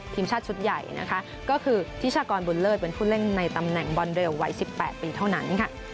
ทีมชาติชุดใหญ่นะคะก็คือทิชากรบุญเลิศเป็นผู้เล่นในตำแหน่งบอลเรลวัย๑๘ปีเท่านั้นค่ะ